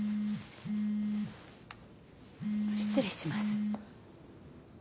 失礼します。